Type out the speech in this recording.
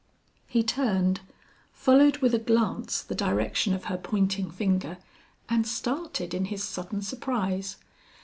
He turned, followed with a glance the direction of her pointing finger and started in his sudden surprise.